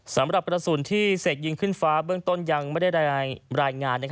สำหรับกระสุนที่เสกยิงขึ้นฟ้าเบื้องต้นยังไม่ได้รายงาน